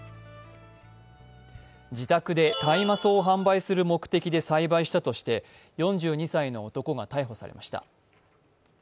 自宅で大麻草を販売する目的で栽培したとして４２歳の男が逮捕されました。